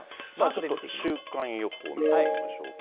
ちょっと週間予報見てみましょうか。